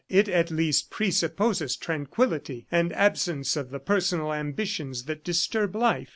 It at least presupposes tranquillity and absence of the personal ambitions that disturb life.